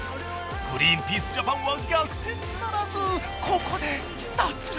グリーンピース・ジャパンは逆転ならずここで脱落。